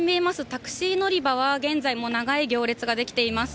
タクシー乗り場は、現在も長い行列が出来ています。